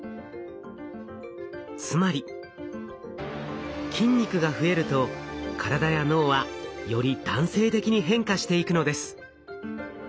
つまり筋肉が増えると体や脳はより男性的に変化していくのです。